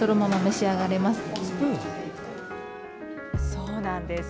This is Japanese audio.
そうなんです。